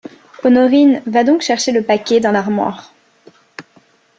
Honorine, va donc chercher le paquet, dans l’armoire.